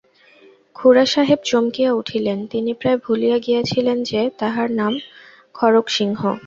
খুড়াসাহেব চমকিয়া উঠিলেন–তিনি প্রায় ভুলিয়া গিয়াছিলেন যে তাঁহার নাম খড়্গসিংহ।